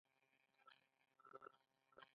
آیا ښځې په اقتصاد کې ونډه نلري؟